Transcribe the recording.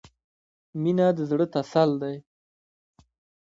• مینه د زړۀ تسل دی.